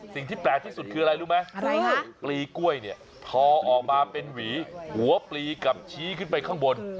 สิ่งที่แปลกที่สุดคืออะไรรู้ไหม